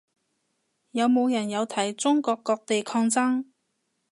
有冇人有睇中國各地抗爭